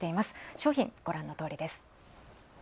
商品はご覧のとおりです。